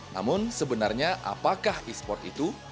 namun sebenarnya apakah esports itu